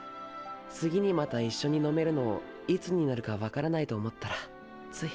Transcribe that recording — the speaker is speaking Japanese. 次にまた一緒に飲めるのいつになるか分からないと思ったらつい。